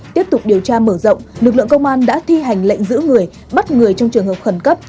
tiếp tục điều tra mở rộng lực lượng công an đã thi hành lệnh giữ người bắt người trong trường hợp khẩn cấp